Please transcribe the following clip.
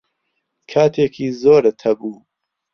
کاتێکی زۆرت هەبوو.